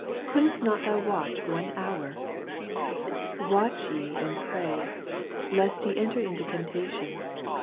couldest not thou watch one hour ? 38 Watch ye and pray, lest yo enter into temptation.